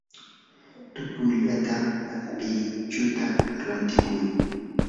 tupuyllapa apichuta rantikuy.